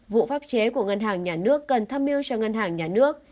vụ pháp chế của ngân hàng nhà nước cần tham mưu cho ngân hàng nhà nước